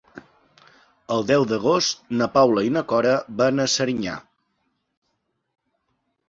El deu d'agost na Paula i na Cora van a Serinyà.